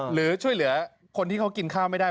หรือช่วยเหลือคนที่เขากินข้าวไม่ได้